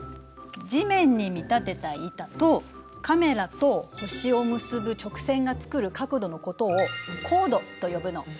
地面に見立てた板とカメラと星を結ぶ直線が作る角度のことを「高度」と呼ぶの。